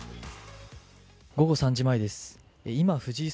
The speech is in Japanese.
午後３時前です。